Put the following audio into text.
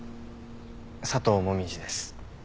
佐藤紅葉です。